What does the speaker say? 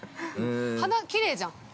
花きれいじゃん。